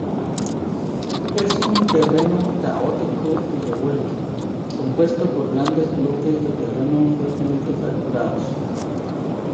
Es un terreno caótico y revuelto, compuesto por grandes bloques de terreno fuertemente fracturados.